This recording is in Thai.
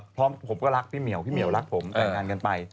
พร้อมผมก็รักพี่เหมียวพี่เหมียวรักผมแต่งงานกันไป